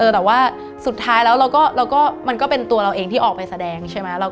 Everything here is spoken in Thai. แต่ว่าสุดท้ายแล้วมันก็เป็นตัวเราเองที่ออกไปแสดงใช่ไหม